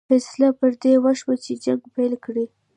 فیصله پر دې وشوه چې جنګ پیل کړي.